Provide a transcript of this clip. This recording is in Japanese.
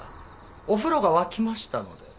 お風呂が沸きましたので。